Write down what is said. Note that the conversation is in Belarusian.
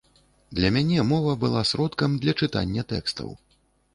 Для мяне мова была сродкам для чытання тэкстаў.